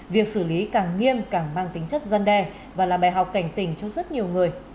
việc xử lý càng nghiêm càng mang tính chất dân đe và là bài học cảnh tình cho rất nhiều người